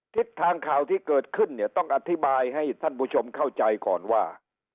ทิศทางข่าวที่เกิดขึ้นเนี่ยต้องอธิบายให้ท่านผู้ชมเข้าใจก่อนว่า